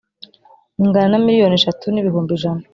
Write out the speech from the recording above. ingana na miliyoni eshatu n ibihumbi ijana